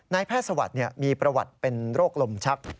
แพทย์สวัสดิ์มีประวัติเป็นโรคลมชัก